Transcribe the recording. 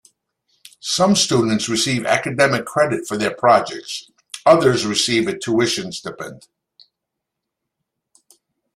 Some students receive academic credit for their projects; others receive a tuition stipend.